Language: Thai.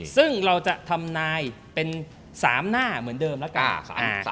ซึ่งเราจะทำนายเป็น๓หน้าเหมือนเดิมแล้วกัน